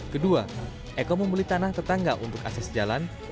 kedua eko membeli tanah tetangga untuk akses jalan